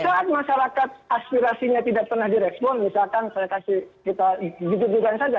saat masyarakat aspirasinya tidak pernah direspon misalkan saya kasih kita dituduhkan saja